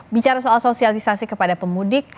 bicara soal sosialisasi kepada pemudik